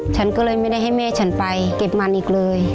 ฉันก็เลยไม่ได้ให้แม่ฉันไปเก็บมันอีกเลย